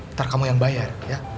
ntar kamu yang bayar ya